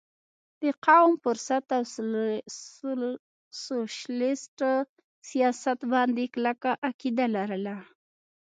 د قوم پرست او سوشلسټ سياست باندې کلکه عقيده لرله